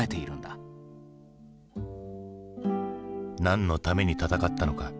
何のために戦ったのか。